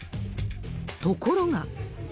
ところが。